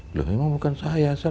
ya memang bukan saya saya